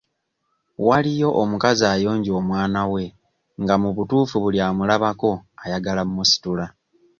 Waliyo omukazi ayonja omwana we nga mu butuufu buli amulabako ayagala mmusitula.